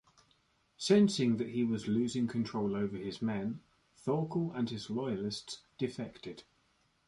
Sensing that he was losing control over his men, Thorkell and his loyalists defected.